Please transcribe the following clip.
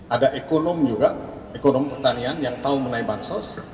ada ekonom juga ekonomi pertanian yang tahu menai bansos